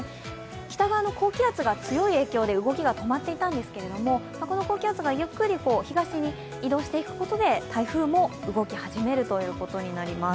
北側の高気圧が強い影響で動きが止まっていたんですけれども、この高気圧がゆっくり東に移動していくことで台風も動き始めるということになります。